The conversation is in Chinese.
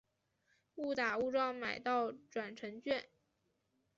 误打误撞买到转乘券